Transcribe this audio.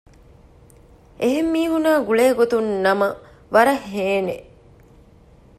އެހެން މީހުންނާ ގުޅޭ ގޮތުން ނަމަ ވަރަށް ހޭނނެ